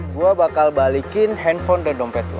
gue bakal balikin handphone dan dompet lo